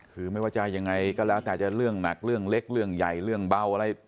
คือไม่ว่าจะยังไงก็แล้วแต่จะเรื่องหนักเรื่องเล็กเรื่องใหญ่เรื่องเบาอะไร